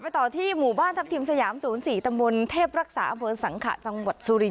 ต่อที่หมู่บ้านทัพทิมสยาม๐๔ตำบลเทพรักษาอำเภอสังขะจังหวัดสุรินท